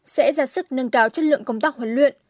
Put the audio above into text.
sẽ ra sức nâng cao chất lượng công tác huấn luyện